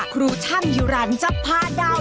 ครูช่างอยู่ด้านจับพาดาวน์